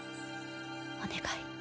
お願い